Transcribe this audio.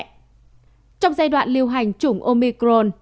trong giai đoạn lưu hành chủng omicron